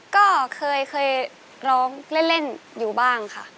ก็เคยร้องเล่นอยู่บ้างค่ะ